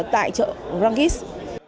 tại chợ grand guise